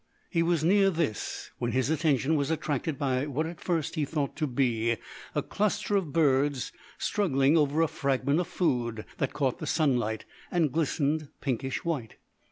He was near this when his attention was attracted by what at first he thought to be a cluster of birds struggling over a fragment of food that caught the sunlight, and glistened pinkish white.